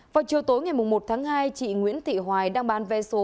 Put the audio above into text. vào chiều tối ngày một tháng hai chị nguyễn thị hoài đang bán vé số